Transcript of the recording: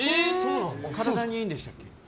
体にいいんでしたっけ？